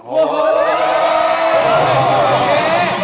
โอ้โห